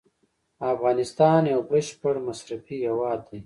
افغانستان یو بشپړ مصرفي هیواد دی.